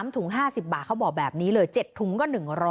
ถุง๕๐บาทเขาบอกแบบนี้เลย๗ถุงก็๑๐๐